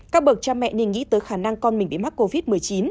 các bậc cha mẹ nên nghĩ tới khả năng con mình bị mắc covid một mươi chín